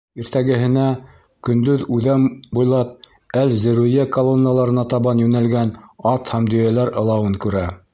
Иртәгеһенә көндөҙ үҙән буйлап Әл-Зеруйа колонналарына табан йүнәлгән ат һәм дөйәләр ылауын күрә.